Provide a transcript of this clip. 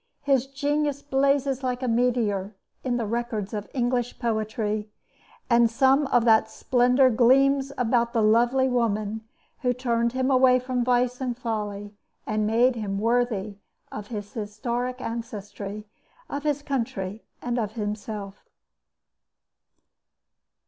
His genius blazes like a meteor in the records of English poetry; and some of that splendor gleams about the lovely woman who turned him away from vice and folly and made him worthy of his historic ancestry, of his country, and of himself.